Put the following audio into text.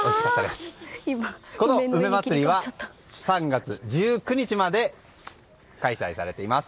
この梅まつりは３月１９日まで開催されています。